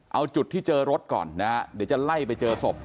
เอาจุดที่เจอรถก่อนนะฮะเดี๋ยวจะไล่ไปเจอศพ